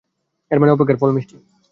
এর মানে, অপেক্ষার ফল মিষ্টি।